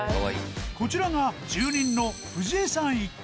こちらが住人の藤江さん一家。